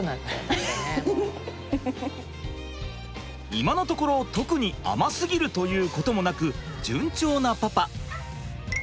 今のところ特に甘すぎるということもなく順調なパパ。